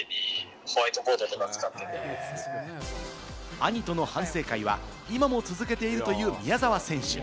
兄との反省会は今も続けているという宮澤選手。